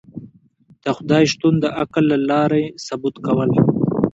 د خدای شتون د عقل له لاری ثبوت کول